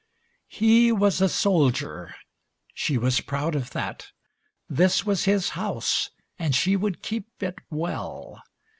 V He was a soldier, she was proud of that. This was his house and she would keep it well.